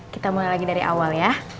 kita mulai lagi dari awal ya